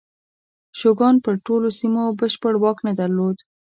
شوګان پر ټولو سیمو بشپړ واک نه درلود.